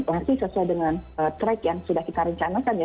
pasti sesuai dengan track yang sudah kita rencanakan ya